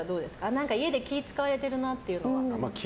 何か、家で気を使われてるなっていうのは。